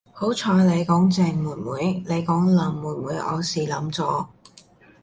好彩妳講鄭妹妹，妳講林妹妹我死 𨶙 咗